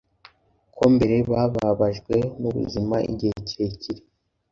ko mbere bababajwe nubuzima-igihe kirekire